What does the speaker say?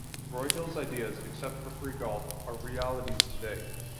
Broyhill's ideas, except for free golf, are realities today.